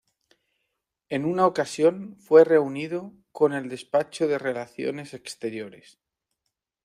En una ocasión fue reunido con el despacho de Relaciones Exteriores.